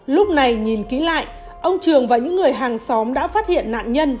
lúc này nhìn ký lại ông trường và những người hàng xóm đã phát hiện nạn nhân